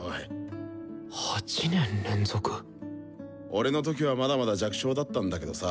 俺の時はまだまだ弱小だったんだけどさ